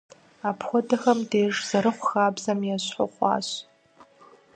Апхуэдэм деж зэрыхъу хабзэм ещхьу хъуащ.